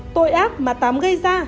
tội ác mà tám gây ra